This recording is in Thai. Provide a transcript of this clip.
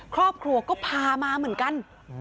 ครอบครัวก็พามาเหมือนกัน